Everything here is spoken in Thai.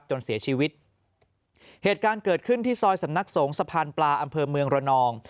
จนเสียชีวิตเหตุการณ์เกิดขึ้นที่ซอยสำนักสงฆ์สะพานปลาอำเภอเมืองระนอง